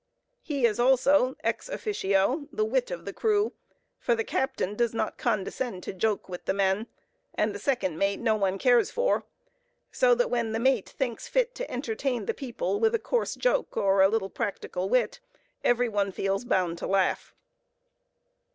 He is also ex officio, the wit of the crew; for the captain does not condescend to joke with the men, and the second mate no one cares for; so that when "the mate" thinks fit to entertain "the people" with a coarse joke or a little practical wit, every one feels bound to laugh.